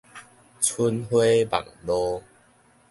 春花望露